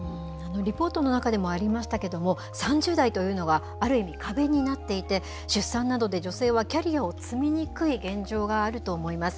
リポートの中でもありましたけれども、３０代というのがある意味壁になっていて、出産などで女性はキャリアを積みにくい現状があると思います。